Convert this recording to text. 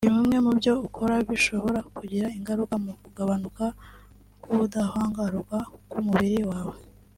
Hari bimwe mu byo ukora bishobora kugira ingaruka mu kugabanuka k’ubudahangarwa bw’umubiri wawe